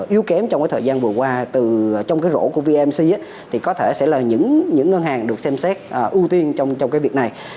yếu kém trong thời gian vừa qua trong cái rổ của vmc thì có thể sẽ là những ngân hàng được xem xét ưu tiên trong cái việc này